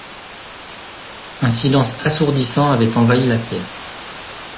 Un silence assourdissant avait envahi la pièce.